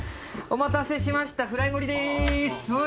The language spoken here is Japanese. お待たせしましたフライ盛りです